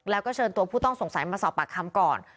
แล้วก็เชิญตัวผู้ต้องสงสัยมาสอบปากคำก่อน